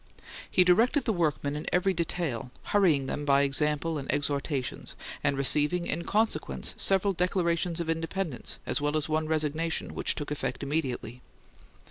He directed the workmen in every detail, hurrying them by example and exhortations, and receiving, in consequence, several declarations of independence, as well as one resignation, which took effect immediately.